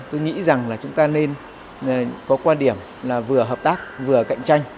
chúng ta nghĩ rằng là chúng ta nên có quan điểm là vừa hợp tác vừa cạnh tranh